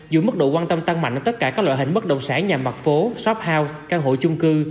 dù mức độ quan tâm tăng mạnh ở tất cả các loại hình bất động sản nhà mặt phố shop house căn hộ chung cư